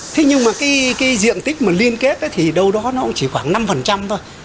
thế nhưng mà cái diện tích mà liên kết thì đâu đó nó cũng chỉ khoảng năm thôi